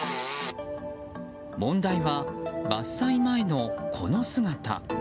問題は伐採前の、この姿。